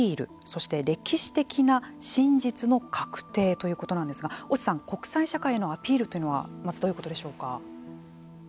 そして歴史的な真実の確定ということなんですが越智さん国際社会へのアピールというのはまずどういうことでしょうか。